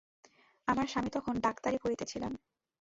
আমার স্বামী তখন ডাক্তারি পড়িতেছিলেন।